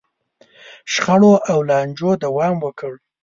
شخړو او لانجو دوام وکړ.